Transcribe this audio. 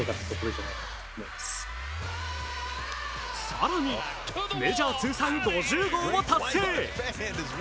更にメジャー通算５０号を達成。